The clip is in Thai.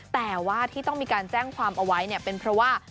แต่ว่าที่ต้องมีการแจ้งความเอาไว้เนี่ยเป็นเพราะว่า